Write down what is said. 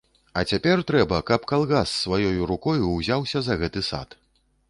А цяпер трэба, каб калгас сваёю рукою ўзяўся за гэты сад.